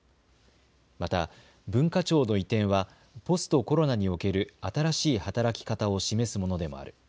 また文化庁の移転はポストコロナにおける新しい働き方を示すものでもある。